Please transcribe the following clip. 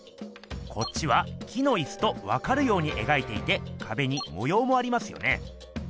こっちは木のいすとわかるように描いていてかべにもようもありますよね。